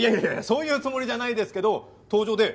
そういうつもりじゃないですけど登場で。